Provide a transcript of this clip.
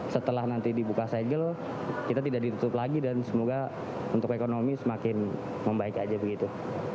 setelah nanti dibuka segel kita tidak ditutup lagi dan semoga untuk ekonomi semakin membaik aja begitu